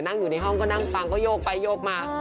นั่งอยู่ในห้องก็นั่งฟังก็โยกไปโยกมา